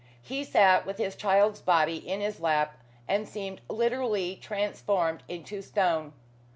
He sat with his child's body in his lap, and seemed literally transformed into stone.